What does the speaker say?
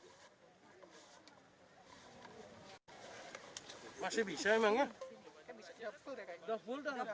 pemantauan hilal di bali juga dilakukan menggunakan metode tradisional